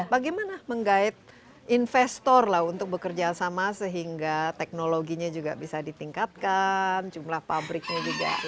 bagaimana menggait investor lah untuk bekerja sama sehingga teknologinya juga bisa ditingkatkan jumlah pabriknya juga